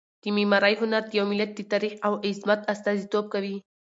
د معمارۍ هنر د یو ملت د تاریخ او عظمت استازیتوب کوي.